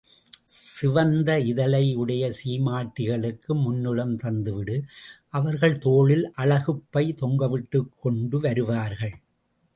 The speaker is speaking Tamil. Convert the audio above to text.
சிவந்த இதழை உடைய சீமாட்டிகளுக்கு முன்னிடம் தந்துவிடு அவர்கள் தோளில் அழகுப் பை தொங்கவிட்டுக் கொண்டு வருவார்கள்.